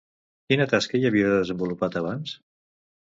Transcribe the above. Quina tasca hi havia desenvolupat abans?